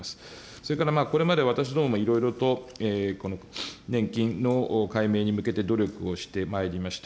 それからこれまで私どももいろいろと、年金の解明に向けて努力をしてまいりました。